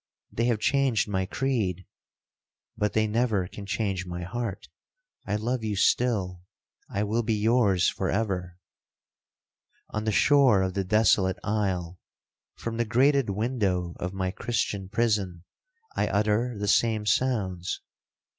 They have changed my creed—but they never can change my heart. I love you still—I will be yours for ever! On the shore of the desolate isle,—from the grated window of my Christian prison,—I utter the same sounds.